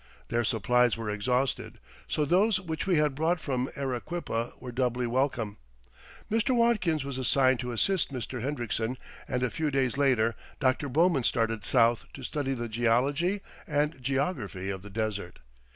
Their supplies were exhausted, so those which we had brought from Arequipa were doubly welcome. Mr. Watkins was assigned to assist Mr. Hendriksen and a few days later Dr. Bowman started south to study the geology and geography of the desert.